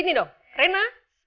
ini dong rena